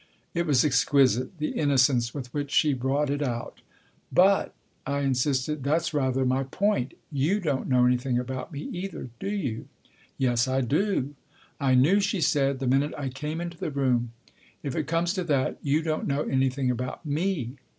It was exquisite, the innocence with which she brought it out. " But," I insisted, " that's rather my point. You don't know anything about me either, do you ?"" Yes, I do. I knew," she said, " the minute I came into the room. If it comes to that, you don't know anything about me."